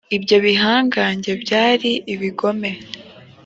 ibyo bihangange byari ibigome